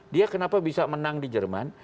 dia kenapa bisa menang di jerman